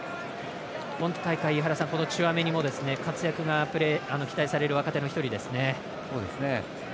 今大会、チュアメニも活躍が期待される若手の１人ですね。